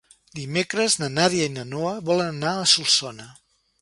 Dimecres na Nàdia i na Noa volen anar a Solsona.